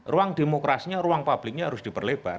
ruang demokrasinya ruang publiknya harus diperlebar